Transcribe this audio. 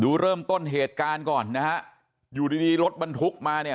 เริ่มต้นเหตุการณ์ก่อนนะฮะอยู่ดีดีรถบรรทุกมาเนี่ย